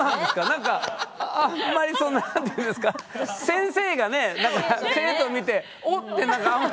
何かあんまりその何ていうんですか先生がね生徒見て「おっ」て何かあんまり。